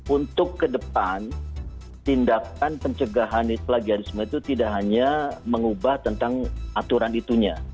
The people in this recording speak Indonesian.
untuk kedepan tindakan pencegahan self plagiarism itu tidak hanya mengubah tentang aturan itunya